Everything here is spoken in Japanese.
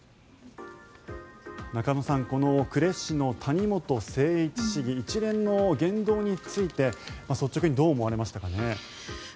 中野さんこの呉市の谷本誠一市議一連の言動について率直にどう思われましたかね。